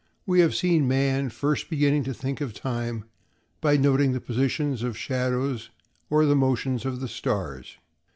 We have seen man first beginning to think of time by noting the positions of shadows or the motions of the stars.